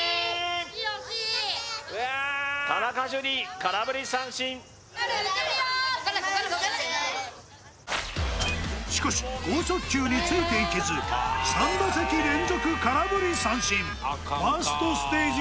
・惜しい惜しいうわ田中樹空振り三振しかし剛速球についていけず３打席連続空振り三振ファーストステージ